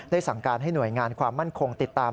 สั่งการให้หน่วยงานความมั่นคงติดตาม